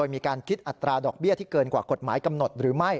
ประกาศดอกเบี้ยที่เกินกว่ากฎหมายกำหนดหรือไม่